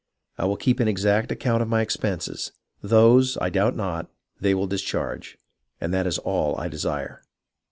I will keep an exact account of my expenses. Those, I doubt not, they will dis charge ; and that is all I desire."